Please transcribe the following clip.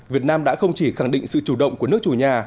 việt nam đã không chỉ khẳng định sự chủ động của nước chủ nhà